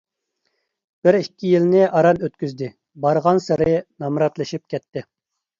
بىر - ئىككى يىلنى ئاران ئۆتكۈزدى، بارغانسېرى نامراتلىشىپ كەتتى.